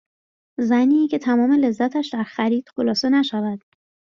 زنی که تمام لذتش در خرید خلاصه نشود